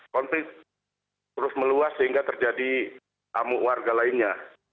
konflik terus meluas sehingga terjadi amuk warga lainnya